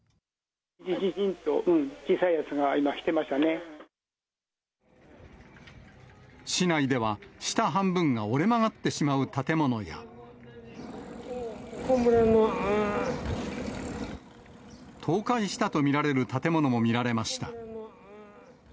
じじじと、小さいやつが今、市内では、下半分が折れ曲がってしまう建物や。倒壊したと見られる建物も見られました。